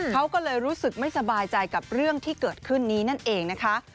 เขาก็เลยรู้สึกไม่สบายใจกับเรื่องที่เกิดขึ้นนี้นั่นเองนะคะ